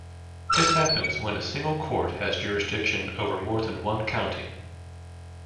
This happens when a single court has jurisdiction over more than one county.